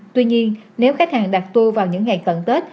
tuy nhiên nếu khách hàng đặt tour vào những ngày cận tết